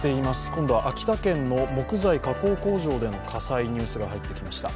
今度は秋田県の木材加工工場の火災、ニュースが入ってきました。